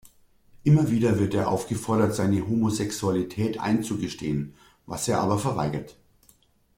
Immer wieder wird er aufgefordert, seine Homosexualität einzugestehen, was er aber verweigert.